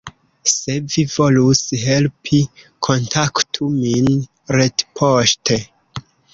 Se vi volus helpi, kontaktu min retpoŝte!